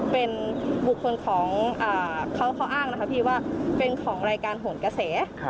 เป็นบุคคลของเขาอ้างนะคะพี่ว่าเป็นของรายการโหนกระแส